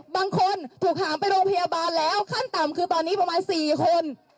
บางคนถูกหามไปโรงพยาบาลแล้วขั้นต่ำคือตอนนี้ประมาณ๔คน